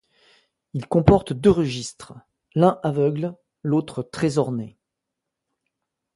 Il comporte deux registres, l'un aveugle et l'autre très orné.